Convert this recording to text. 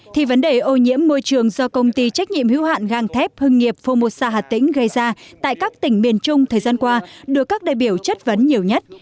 thì vấn đề ô nhiễm môi trường do công ty trách nhiệm hữu hạn gang thép hưng nghiệp formosa hà tĩnh gây ra tại các tỉnh miền trung thời gian qua được các đại biểu chất vấn nhiều nhất